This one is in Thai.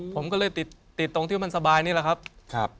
ผมก็เลยติดติดตรงที่มันสบายนี่แหละครับ